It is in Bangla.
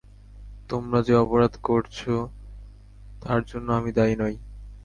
তোমরা যে অপরাধ করছ তার জন্য আমি দায়ী নই।